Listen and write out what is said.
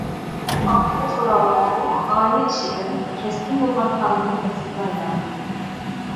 ئائىلە زوراۋانلىقى« ئائىلە ئىشىدىن» كەسكىن بولغان قانۇنىي مەسىلىگە ئايلاندى.